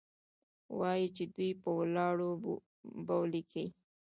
وايي چې دوى په ولاړو بولې کيې.